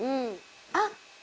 「あっ！」